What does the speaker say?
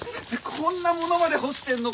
こんなものまで干してんのか？